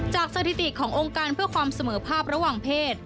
สถิติขององค์การเพื่อความเสมอภาพระหว่างเพศ